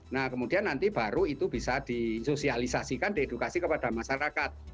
nah kemudian nanti baru itu bisa disosialisasikan diedukasi kepada masyarakat